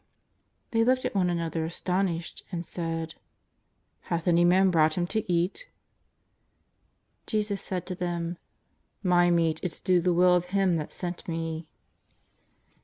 They looked at one another astonished and said: " Hath any man brought Him to eat ?" Jesus said to them :" My meat is to do the Will of Him that sent Me."